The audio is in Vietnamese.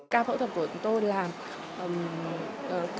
các bệnh nhân nữ ba mươi ba tuổi này